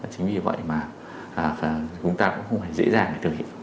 chính vì vậy mà chúng ta cũng không hề dễ dàng để thực hiện